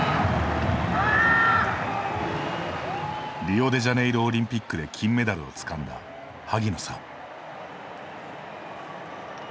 リオデジャネイロオリンピックで金メダルをつかんだ萩野さん。